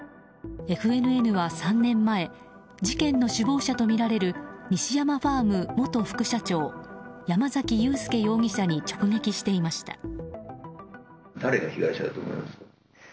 ＦＮＮは３年前事件の首謀者とみられる西山ファーム元副社長山崎裕輔容疑者に直撃していました。